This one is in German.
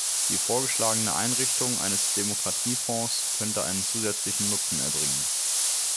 Die vorgeschlagene Einrichtung eines Demokratiefonds könnte einen zusätzlichen Nutzen erbringen.